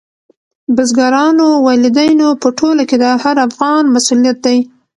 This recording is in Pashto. بزګرانو، والدینو په ټوله کې د هر افغان مسؤلیت دی.